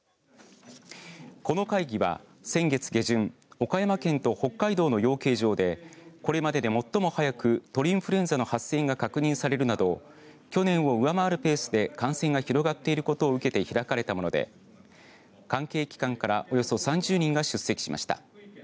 この会議は先月下旬岡山県と北海道の養鶏場でこれまでで最も早く鳥インフルエンザの発生が確認されるなど去年を上回るペースで感染が広がっていることを受けて開かれたもので関係機関からおよそ３０人が出席しました。